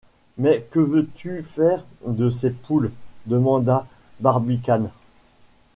Mais que veux-tu faire de ces poules ? demanda Barbicane.